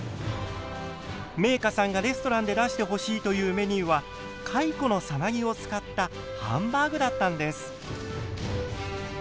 めいかさんがレストランで出してほしいというメニューはかいこのサナギを使ったハンバーグだったんです。